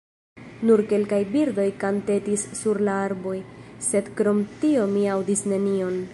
Nur kelkaj birdoj kantetis sur la arboj, sed krom tio mi aŭdis nenion.